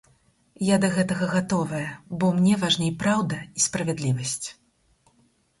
Я да гэтага гатовая, бо мне важней праўда і справядлівасць.